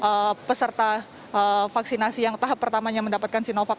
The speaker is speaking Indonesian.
apakah vaksin kedua yang didapatkan oleh peserta vaksinasi yang tahap pertamanya mendapatkan sinovac